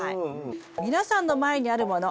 皆さんの前にあるもの